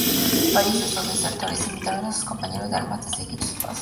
Varios de estos desertores invitaron a sus compañeros de armas de seguir sus pasos.